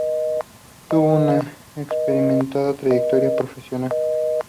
Tuvo una experimentada trayectoria profesional.